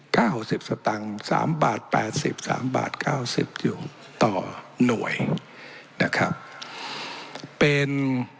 หกสิบสตางค์สามบาทแปดสิบสามบาทเก้าสิบอยู่ต่อหน่วยนะครับเป็น